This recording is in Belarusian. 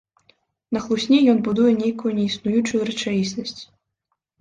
На хлусні ён будуе нейкую неіснуючую рэчаіснасць.